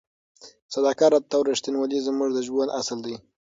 صداقت او رښتینولي زموږ د ژوند اصل دی.